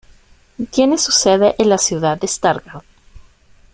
Tiene su sede en la ciudad de Stargard.